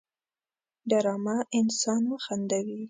ډرامه انسان وخندوي